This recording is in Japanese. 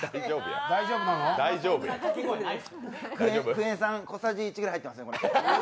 クエン酸小さじ１ぐらい入ってますね。